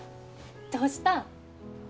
どうしたん？